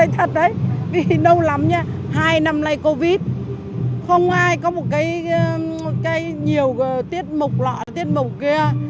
thật đấy vì lâu lắm nha hai năm nay covid không ai có một cái nhiều tiết mục lọ tiết mục kia